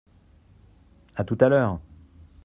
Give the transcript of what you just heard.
À tout à l’heure.